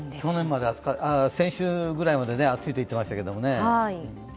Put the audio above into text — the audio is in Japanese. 先週ぐらいまで暑いと言ってましたけどね。